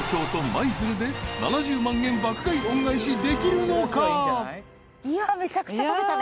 舞鶴で７０万円爆買い恩返しできるのか？］